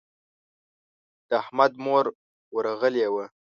د احمد مور ورغلې وه.